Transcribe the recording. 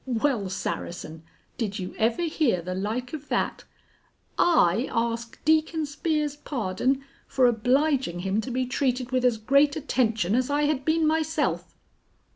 "Well, Saracen, did you ever hear the like of that! I ask Deacon Spear's pardon for obliging him to be treated with as great attention as I had been myself."